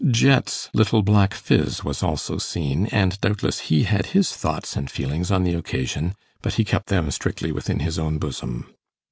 Jet's little black phiz was also seen, and doubtless he had his thoughts and feelings on the occasion, but he kept them strictly within his own bosom.